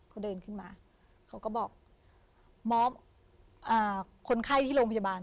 เขาเดินขึ้นมาเขาก็บอกมอบคนไข้ที่โรงพยาบาล